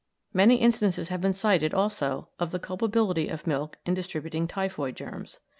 Many instances have been cited, also, of the culpability of milk in distributing typhoid germs.